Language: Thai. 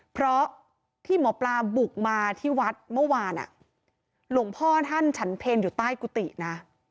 เพราะที่หมอปลาบุกมาที่วัดเมื่อวานหลวงพ่อท่านฉันเพลอยู่ใต้กุฏินะ